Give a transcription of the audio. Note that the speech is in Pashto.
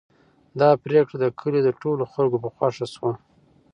دا پرېکړه د کلي د ټولو خلکو په خوښه شوه.